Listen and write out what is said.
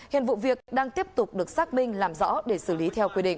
hiện vụ việc đang tiếp tục được xác minh làm rõ để xử lý theo quy định